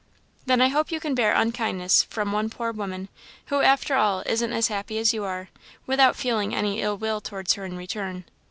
"Then I hope you can bear unkindness from one poor woman who, after all, isn't as happy as you are without feeling any ill will towards her in return."